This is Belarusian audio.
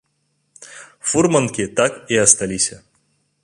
Фурманкі так і асталіся.